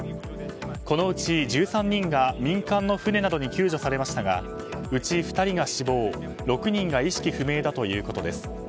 このうち１３人が民間の船などに救助されましたがうち２人が死亡６人が意識不明だということです。